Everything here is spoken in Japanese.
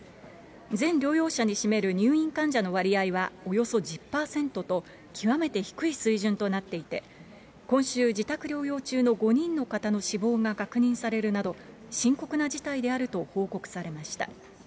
全療養者に占める入院患者の割合は、およそ１０％と、極めて低い水準となっていて、今週、自宅療養中の５人の方の死亡が確認されるなど、深刻な事態であると報告されました。